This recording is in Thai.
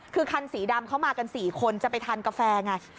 คือคันสีดำเขามากัน๔คนจะไปทานกาแฟไง